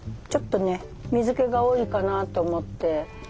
ちょっとね水けが多いかなと思って。